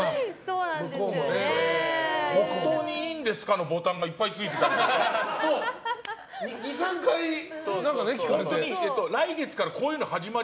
本当にいいんですか？のボタンがいっぱいついてたり。